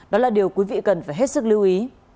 đó là điều quý vị cần phải hết sức lưu ý